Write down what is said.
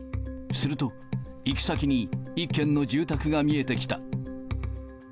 すると、行き先に一軒の住宅が見えてきた。